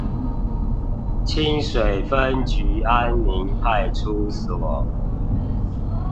清水分局安寧派出所